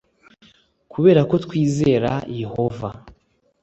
kubera ko twizera yehova